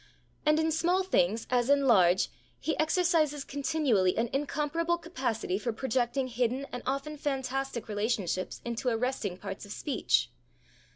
And in small things as in large he exercises continually an incomparable capacity for projecting hidden and often fantastic relationships into arresting parts of speech.